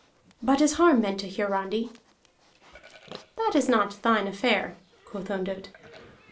"But is harm meant to Hiarandi?" "That is not thine affair," quoth Ondott.